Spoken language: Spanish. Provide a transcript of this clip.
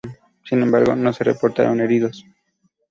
Sin embargo, no se reportaron heridos.